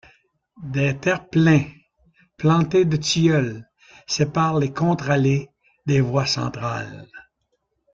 Des terre-pleins plantés de tilleuls séparent les contre-allées des voies centrales.